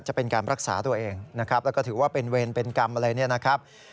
จะเป็นการรักษาตัวเองนะครับแล้วก็ถือว่าเป็นเวรเป็นกรรมอะไรเนี่ยนะครับ